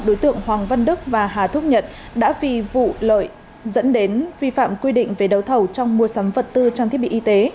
đối tượng hoàng văn đức và hà thúc nhật đã vì vụ lợi dẫn đến vi phạm quy định về đấu thầu trong mua sắm vật tư trang thiết bị y tế